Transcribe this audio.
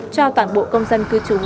cho toàn bộ công dân cư trú